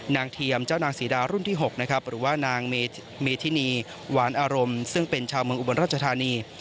เทียมเจ้านางศรีดารุ่นที่๖นะครับหรือว่านางเมธินีหวานอารมณ์ซึ่งเป็นชาวเมืองอุบลราชธานี